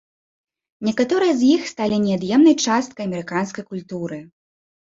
Некаторыя з іх сталі неад'емнай часткай амерыканскай культуры.